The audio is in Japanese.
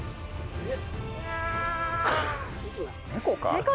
猫か。